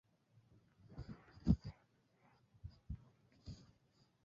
Brighton হাইটসে অনেক বড়, পুরোনো বাড়ি আছে।